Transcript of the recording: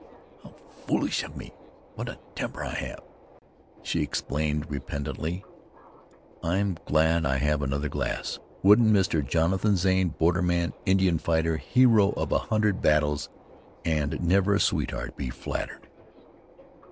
"How foolish of me! What a temper I have!" she exclaimed repentantly. "I'm glad I have another glass. Wouldn't Mr. Jonathan Zane, borderman, Indian fighter, hero of a hundred battles and never a sweetheart, be flattered?